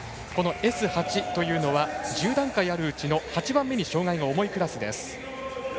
Ｓ８というのは１０段階あるクラスの８番目に障がいが重いクラスです。